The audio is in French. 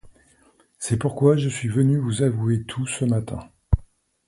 C'est pourquoi je suis venu vous avouer tout ce matin.